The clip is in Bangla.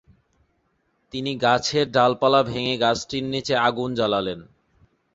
তিনি গাছের ডালপালা ভেঙে গাছটির নিচে আগুন জ্বালালেন।